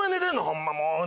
ホンマもう。